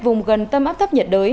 vùng gần tâm áp thấp nhiệt đới